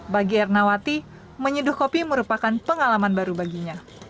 bagi ernawati menyeduh kopi merupakan pengalaman baru baginya